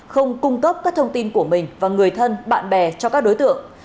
không cung cấp các thông tin của mình và người thân bạn bè cho các đối tượng